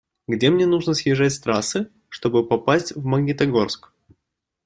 Где мне нужно съезжать с трассы, чтобы попасть в Магнитогорск?